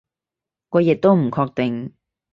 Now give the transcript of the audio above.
我亦都唔確定